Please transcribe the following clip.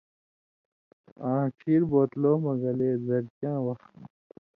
آں ڇھیر بوتلو مہ گلے زرتیاں وخ